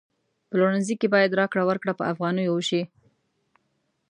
پلورنځي کی باید راکړه ورکړه په افغانیو وشي